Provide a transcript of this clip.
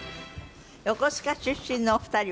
横須賀出身のお二人は。